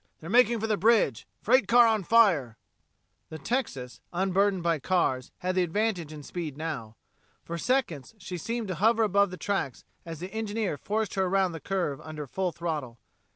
They're making for the bridge freight car on fire!" The Texas, unburdened by cars, had the advantage in speed now. For seconds she seemed to hover above the tracks as the engineer forced her around the curve under full throttle.